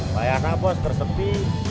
bayangkan bos tersepi